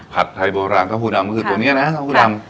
ผัดไทยโบราณเต้าหู้ดำก็คือตัวนี้นะเท่าผู้ดำ